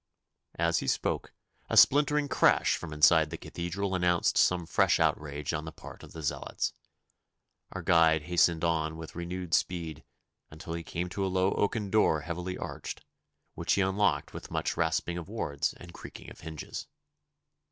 As he spoke a splintering crash from inside the Cathedral announced some fresh outrage on the part of the zealots. Our guide hastened on with renewed speed, until he came to a low oaken door heavily arched, which he unlocked with much rasping of wards and creaking of hinges.